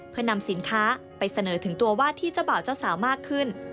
เพื่อนำสินค้าไปเสนอถึงตัววาดที่เจ้าบ่าวเจ้าสาวมากขึ้น